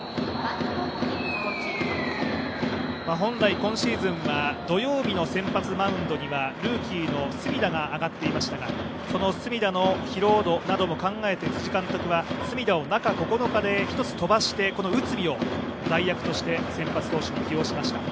本来、今シーズンは土曜日の先発マウンドにはルーキーの隅田が上がっていましたがその隅田の疲労度なども考えて辻監督は隅田を中９日で１つ飛ばして内海を代役として先発投手に起用しました。